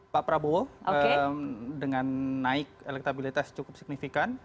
pak prabowo dengan naik elektabilitas cukup signifikan